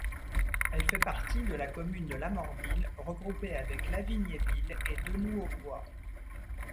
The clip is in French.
Elle fait partie de la commune de Lamorville, regroupée avec Lavignéville et Deuxnouds-au-Bois.